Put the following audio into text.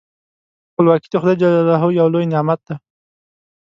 خپلواکي د خدای جل جلاله یو لوی نعمت دی.